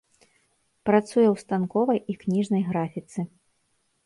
Працуе ў станковай і кніжнай графіцы.